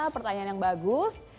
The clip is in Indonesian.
pertanyaan yang bagus